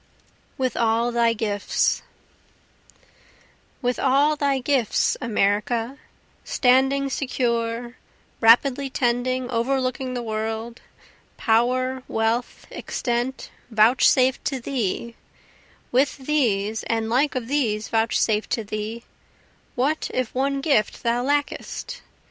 With All Thy Gifts With all thy gifts America, Standing secure, rapidly tending, overlooking the world, Power, wealth, extent, vouchsafed to thee with these and like of these vouchsafed to thee, What if one gift thou lackest?